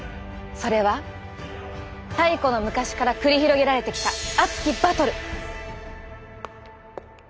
それは太古の昔から繰り広げられてきた熱きバトル！